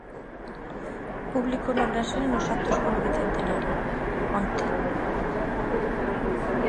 Público no Brasil nos actos polo bicentenario, onte.